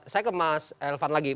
saya ke mas elvan lagi